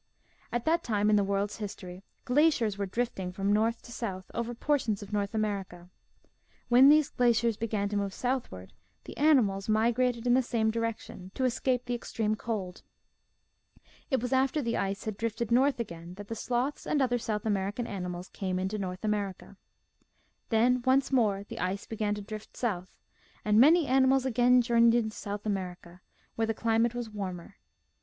'At that time in the world's history glaciers were drifting from north to south over portions of North America. When these glaciers began to move southward, the animals migrated in 142 MIGHTY ANIMALS the same direction to escape the extreme cold. It was after the ice had drifted north again that the sloths and other South American animals came into North America. Then once more the ice began to drift south, and many animals again journeyed into South America, where the climate was warmer.